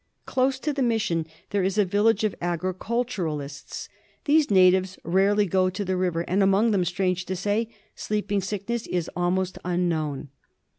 Close to the mission there is a village of agriculturists. These natives rarely go to the river, and among them, strange to say. Sleeping Sickness is almost unknown.